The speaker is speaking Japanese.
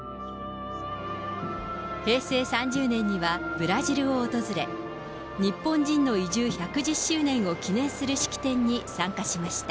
平成３０年には、ブラジルを訪れ、日本人の移住１１０周年を記念する式典に参加しました。